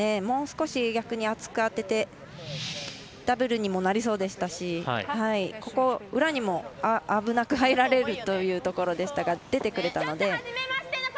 もう少し逆に厚く当ててダブルにもなりそうでしたし裏にも危なく入られるというところでしたが出てくれたので。